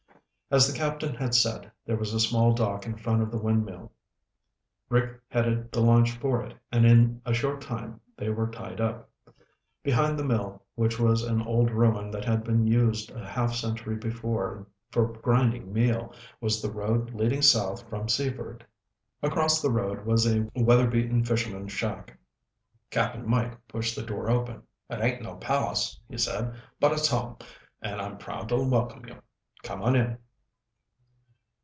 As the captain had said, there was a small dock in front of the windmill. Rick headed the launch for it and in a short time they were tied up. Behind the mill, which was an old ruin that had been used a half century before for grinding meal, was the road leading south from Seaford. Across the road was a weather beaten fisherman's shack. Cap'n Mike pushed the door open. "It ain't no palace," he said, "but it's home and I'm proud to welcome you. Come on in."